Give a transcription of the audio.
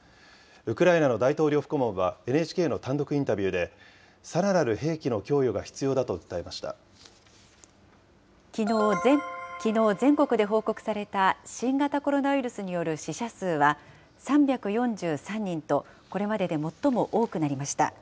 ウクライナの大統領府顧問は、ＮＨＫの単独インタビューで、さらなる兵器の供与が必要だと訴えまきのう、全国で報告された新型コロナウイルスによる死者数は３４３人と、これまでで最も多くなりました。